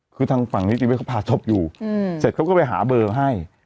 คือทางฝั่งนี้ที่ไว้เขาผ่าศพอยู่อืมเสร็จเขาก็ไปหาเบอร์ให้